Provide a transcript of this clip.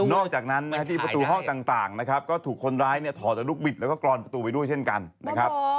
อกจากนั้นที่ประตูห้องต่างนะครับก็ถูกคนร้ายเนี่ยถอดแต่ลูกบิดแล้วก็กรอนประตูไปด้วยเช่นกันนะครับ